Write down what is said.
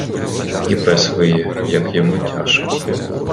І пес виє, як йому тяжко.